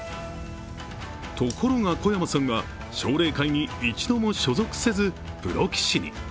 ところが小山さんは、奨励会に一度も所属せずプロ棋士に。